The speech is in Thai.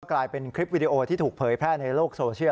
กลายเป็นคลิปวิดีโอที่ถูกเผยแพร่ในโลกโซเชียล